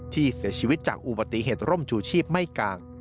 ที่เสียชีวิตจากอุบัติเหตุร่มชูชีพไม่กลาง